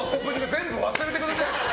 全部忘れてください。